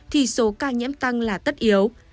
thì số ca nhiễm tăng là tất yếu